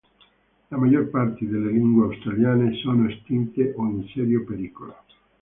La maggior parte delle lingue australiane sono estinte o in serio pericolo.